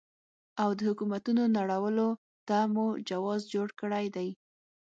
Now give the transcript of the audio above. او د حکومتونو نړولو ته مو جواز جوړ کړی دی.